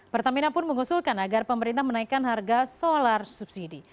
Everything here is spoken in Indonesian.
pertamina pun mengusulkan agar pemerintah menaikkan harga solar subsidi